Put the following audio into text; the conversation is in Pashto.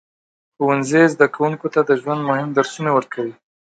ښوونځی زده کوونکو ته د ژوند مهم درسونه ورکوي.